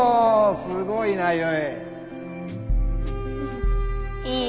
すごいな結！